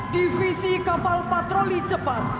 divisi kapal patroli cepat